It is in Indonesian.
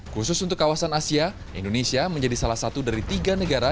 khusus untuk kawasan asia indonesia menjadi salah satu dari tiga negara